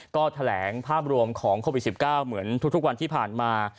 ก็แถลงภาพรวมของโควิด๑๙เหมือนทุกวันที่ผ่านมา